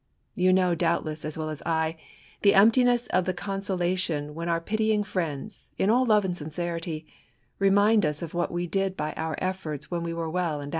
You know, doubtless, as well as .DEDICATION. XI 1^ i^ey etDptiness of the consoktioB when our pitying friends, in all love and sinoerify, remind us of whait. we did; by oiir efforts when we were welf and.